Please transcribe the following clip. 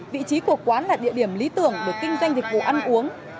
vị trí của quán là địa điểm lý tưởng để kinh doanh dịch vụ ăn uống